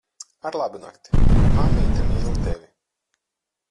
Arlabunakti. Mammīte mīl tevi.